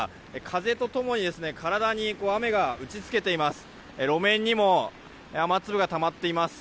風と共に体に雨が打ち付けています。